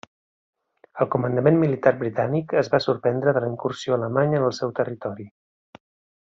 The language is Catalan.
El comandament militar britànic es va sorprendre de la incursió alemanya en el seu territori.